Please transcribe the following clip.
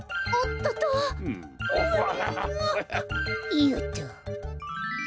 いよっと！